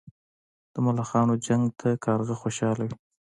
د ملخانو جنګ ته کارغه خوشاله وي.